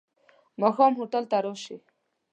ماښام هوټل ته راشې.